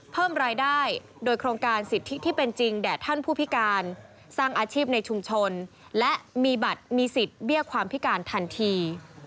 เพิ่มรายได้โดยโครงการสิทธิที่เป็นจริงแด่ท่านผู้พิการสร้างอาชีพในชุมชนและมีบัตรมีสิทธิ์เบี้ยความพิการทันที